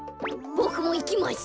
ボクもいきます。